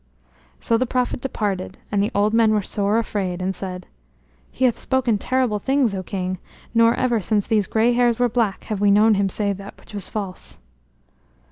So the prophet departed and the old men were sore afraid and said: "He hath spoken terrible things, O King; nor ever since these gray hairs were black have we known him say that which was false."